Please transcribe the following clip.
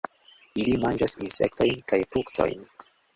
Ili manĝas insektojn kaj fruktojn.